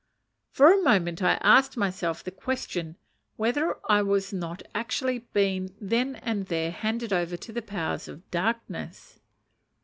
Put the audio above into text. For a moment I asked myself the question whether I was not actually being then and there handed over to the powers of darkness.